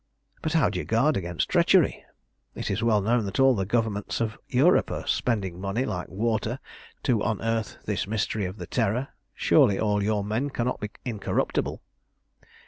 "But how do you guard against treachery? It is well known that all the Governments of Europe are spending money like water to unearth this mystery of the Terror. Surely all your men cannot be incorruptible."